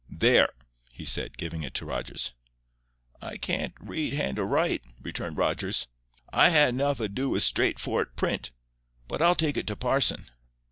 "There," he said, giving it to Rogers. "I can't read hand o' write," returned Rogers. "I ha' enough ado with straight foret print But I'll take it to parson."